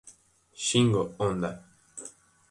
Shingo Honda